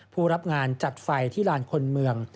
ผู้รับงานจัดไฟที่ลานคนเมือง